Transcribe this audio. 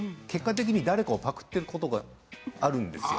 結局、誰かをぱくっていることがあるんですよ。